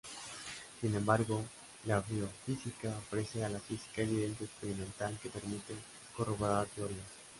Sin embargo, la biofísica ofrece a la física evidencia experimental que permite corroborar teorías.